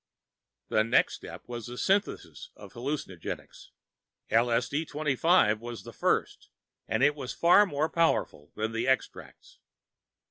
The next step was the synthesis of hallucinogens L.S.D. 25 was the first, and it was far more powerful than the extracts.